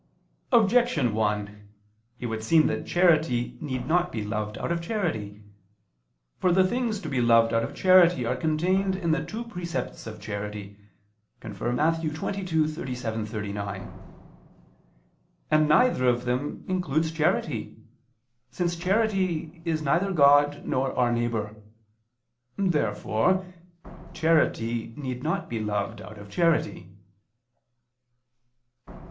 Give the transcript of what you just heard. Objection 1: It would seem that charity need not be loved out of charity. For the things to be loved out of charity are contained in the two precepts of charity (Matt. 22:37 39): and neither of them includes charity, since charity is neither God nor our neighbor. Therefore charity need not be loved out of charity.